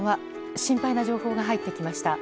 心配な情報が入ってきました。